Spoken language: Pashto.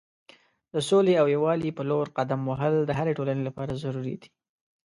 د سولې او یووالي په لور قدم وهل د هرې ټولنې لپاره ضروری دی.